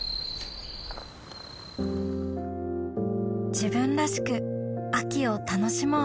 自分らしく秋を楽しもう